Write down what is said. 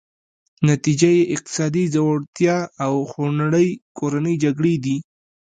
نتیجه یې اقتصادي ځوړتیا او خونړۍ کورنۍ جګړې دي.